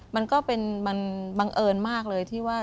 มันก็เป็นมันบังเอิญมากเลยที่ว่า